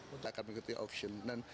kita akan mengikuti option